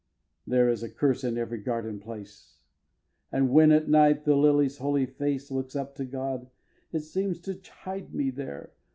xviii. There is a curse in every garden place, And when, at night, the lily's holy face Looks up to God, it seems to chide me there.